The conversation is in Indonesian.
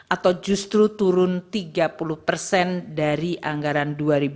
atau justru turun tiga puluh persen dari anggaran dua ribu dua puluh